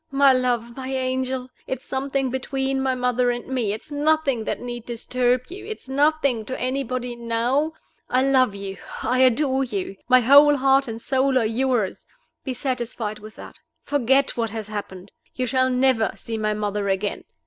My love! my angel! it's something between my mother and me; it's nothing that need disturb you; it's nothing to anybody now. I love you, I adore you; my whole heart and soul are yours. Be satisfied with that. Forget what has happened. You shall never see my mother again.